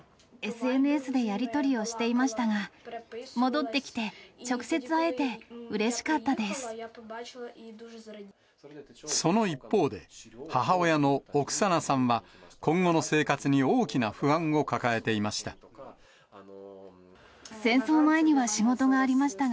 ＳＮＳでやり取りをしていましたが、戻ってきて、直接会えてうれその一方で、母親のオクサナさんは、今後の生活に大きな不安を抱えていました。